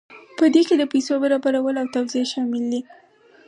په دې کې د پیسو برابرول او توزیع شامل دي.